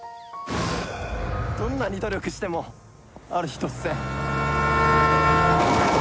どんなに努力してもある日突然。